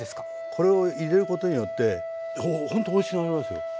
これを入れることによってほんとおいしくなりますよ。